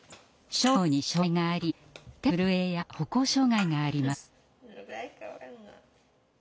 小脳に障害があり手の震えや歩行障害があります。